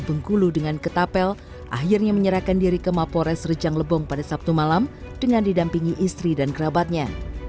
bengkulu dengan ketapel akhirnya menyerahkan diri ke mapores rejang lebong pada sabtu malam dengan didampingi istri dan kerabatnya